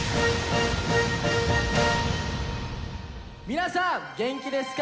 皆さん元気ですか？